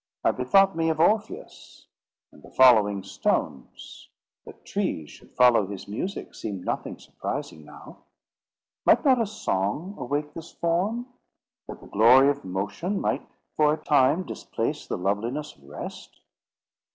I bethought me of Orpheus, and the following stones—that trees should follow his music seemed nothing surprising now. Might not a song awake this form, that the glory of motion might for a time displace the loveliness of rest?